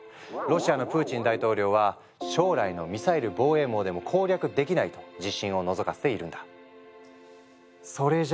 ロシアのプーチン大統領は「将来のミサイル防衛網でも攻略できない」と自信をのぞかせているんだ。